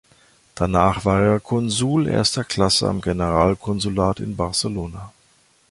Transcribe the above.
Danach war er Konsul erster Klasse am Generalkonsulat in Barcelona.